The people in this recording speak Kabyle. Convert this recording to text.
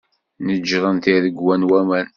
Neǧren tiregwa n waman.